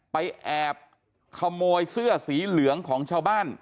แอบขโมยเสื้อสีเหลืองของชาวบ้าน